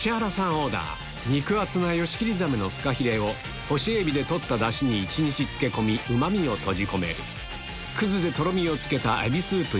オーダー肉厚なヨシキリザメのフカヒレを干しエビで取ったダシに一日漬け込みうまみを閉じ込めるくずでとろみをつけたエビスープに